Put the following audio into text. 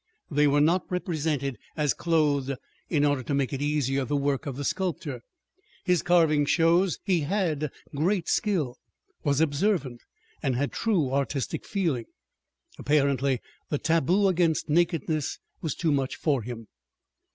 They were not represented as clothed in order to make easier the work of the sculptor. His carving shows he had great skill, was observant, and had true artistic feeling. Apparently the taboo against "nakedness" was too much for him.